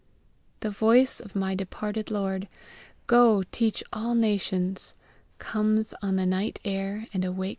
_ The voice of my departed LORD, "Go, teach all nations," Comes on the night air and awakes mine ear.